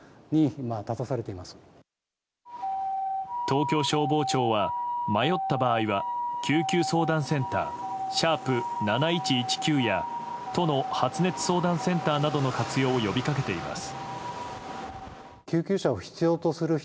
東京消防庁は迷った場合は救急相談センター＃７１１９や都の発熱相談センターなどの活用を呼び掛けています。